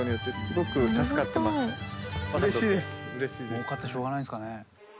もうかってしょうがないんすかね。